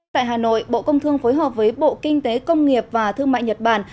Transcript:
tại hà nội bộ công thương phối hợp với bộ kinh tế công nghiệp và thương mại nhật bản